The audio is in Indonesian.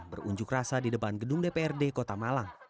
berunjuk rasa di depan gedung dprd kota malang